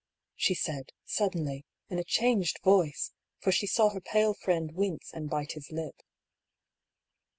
she said, suddenly, in a changed voice, for she saw her pale friend wince and bite his lip.